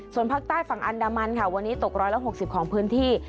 ส่วนภาคใต้ฝั่งอันดามันค่ะวันนี้ตก๑๖๐ของพื้นที่